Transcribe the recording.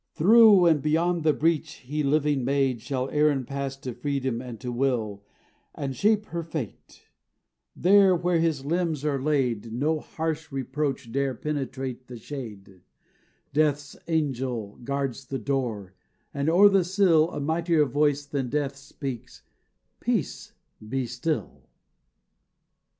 Through and beyond the breach he living made Shall Erin pass to freedom and to will, And shape her fate: there where his limbs are laid No harsh reproach dare penetrate the shade; Death's angel guards the door, and o'er the sill A mightier voice than Death's speaks "Peace, be still!"